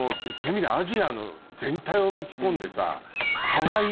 みりゃアジアの全体を巻き込んでさ。